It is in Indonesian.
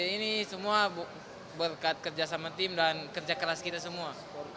ini semua berkat kerjasama tim dan kerja keras kita semua